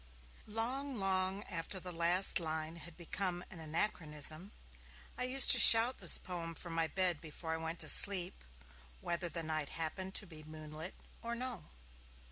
Long, long after the last line had become an anachronism, I used to shout this poem from my bed before I went to sleep, whether the night happened to be moonlit or no.